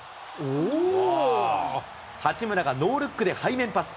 八村がノールックで背面パス。